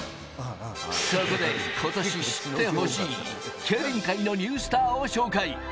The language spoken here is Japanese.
そこで今年知ってほしい競輪界のニュースターを紹介。